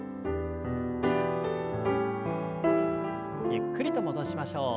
ゆっくりと戻しましょう。